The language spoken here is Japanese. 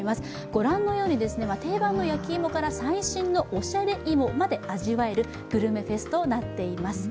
ご覧のように定番の焼き芋から最新のおしゃれいもまで味わえるグルメフェスとなっています。